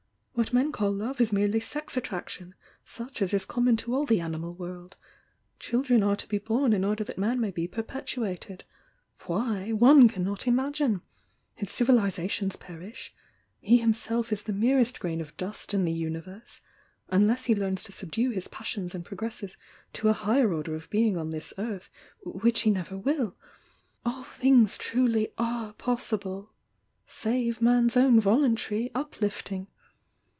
What men call love is merely sex attraction such as 18 common to all the animal world. Children are to be bom m order that man may be perpetuated. Why one cannot imagine! His civilisations perish —he himself is the merest grain of dust in the uni verse,— unless he learns to subdue hU passions and EkTkT^ *°*•"?,*}" ^^i*" °^ b«nK on this earth which he never will. AU things truly are possible, save man s own voluntary uplifting.